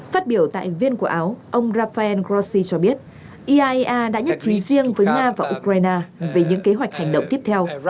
phát biểu tại viên của áo ông rafael grossi cho biết iaea đã nhất trí riêng với nga và ukraine về những kế hoạch hành động tiếp theo